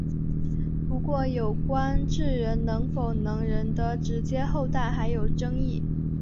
不过有关智人是否能人的直接后代还有争议。